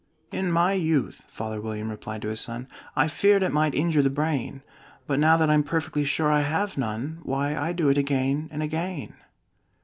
"In my youth," Father William replied to his son, "I feared it might injure the brain; But now that I'm perfectly sure I have none, Why, I do it again and again."